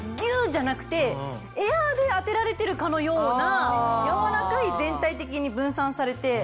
じゃなくてエアで当てられてるかのようなやわらかい全体的に分散されて。